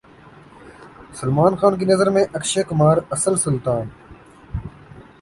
سلمان خان کی نظر میں اکشے کمار اصل سلطان